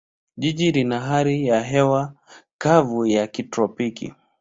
Jiji lina hali ya hewa kavu ya kitropiki.